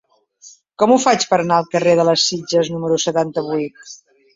Com ho faig per anar al carrer de les Sitges número setanta-vuit?